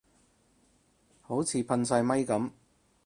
好似噴曬咪噉